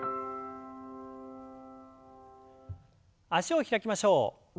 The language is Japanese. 脚を開きましょう。